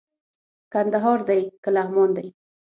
کندهار دئ که لغمان دئ